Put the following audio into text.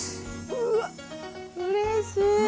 うわっうれしい。